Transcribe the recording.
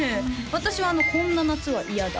私は「こんな夏はいやだ」